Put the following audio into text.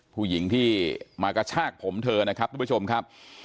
ผู้หญิงที่มากระชากผมเธอนะครับทุกผู้ชมครับ